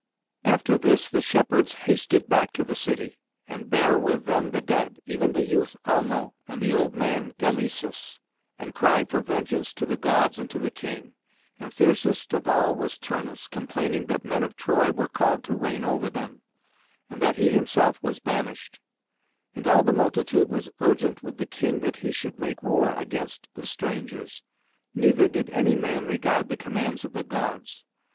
After this the shepherds hasted back to the city, and bare with them the dead, even the youth Almo and the old man Galæsus, and cried for vengeance to the Gods and to the king. And fiercest of all was Turnus, complaining that men of Troy were called to reign over them, and that he himself was banished. And all the multitude was urgent with the king that he should make war against the strangers; neither did any man regard the commands of the Gods.